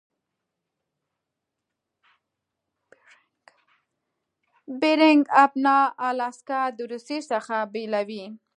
بیرنګ آبنا الاسکا د روسي څخه بیلوي.